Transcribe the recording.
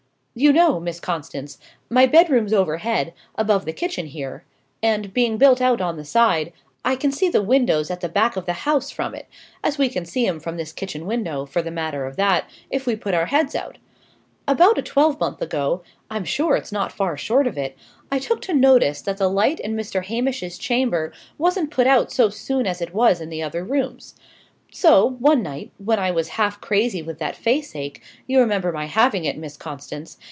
"You know, Miss Constance, my bedroom's overhead, above the kitchen here, and, being built out on the side, I can see the windows at the back of the house from it as we can see 'em from this kitchen window, for the matter of that, if we put our heads out. About a twelvemonth ago I'm sure its not far short of it I took to notice that the light in Mr. Hamish's chamber wasn't put out so soon as it was in the other rooms. So, one night, when I was half crazy with that face ache you remember my having it, Miss Constance?